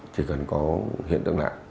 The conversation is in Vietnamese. thì cần có hiện tượng lạ